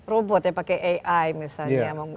robot ya pakai ai misalnya